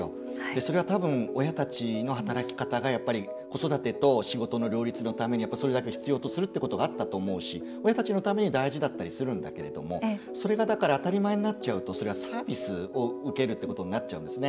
それは多分、親たちの働き方が子育てと仕事の両立のためにそれだけ必要とするってことがあったと思うし、親たちのために大事だったりするんだけれどもそれが、だから当たり前になっちゃうとサービスを受けるってことになっちゃうんですね。